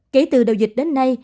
kể từ đầu dịch đến nay